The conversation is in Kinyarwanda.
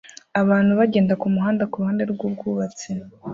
Abantu bagenda kumuhanda kuruhande rwubwubatsi